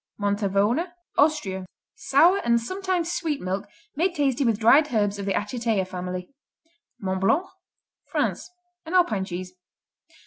Montavoner Austria Sour and sometimes sweet milk, made tasty with dried herbs of the Achittea family. Mont Blanc France An Alpine cheese.